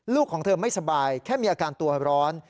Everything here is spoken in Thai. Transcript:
ของเธอไม่สบายแค่มีอาการตัวร้อน